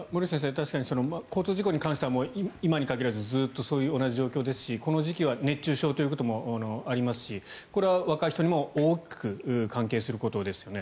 確かに交通事故に関しては今に限らずずっと同じ状況ですしこの時期は熱中症ということもありますしこれは若い人にも大きく関係することですよね。